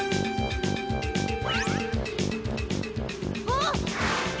あっ！